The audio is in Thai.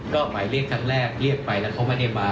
ก็หมายเรียกครั้งแรกเรียกไปแล้วเขาไม่ได้มา